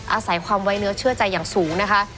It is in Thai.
อาศัยความไว้เนื้อเชื่อใจอย่างสูงนะคะ